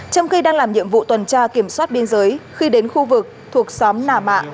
trong khi đang làm nhiệm vụ tuần tra kiểm soát biên giới khi đến khu vực thuộc xóm nà mạng